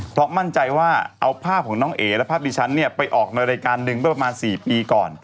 เพราะมั่นใจว่าเอาภาพของน้องเอ๋และภาพดิฉันเนี่ยไปออกในรายการหนึ่งเมื่อประมาณ๔ปีก่อน